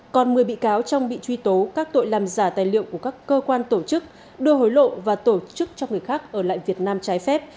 còn một mươi bị cáo trong bị truy tố các tội làm giả tài liệu của các cơ quan tổ chức đưa hối lộ và tổ chức cho người khác ở lại việt nam trái phép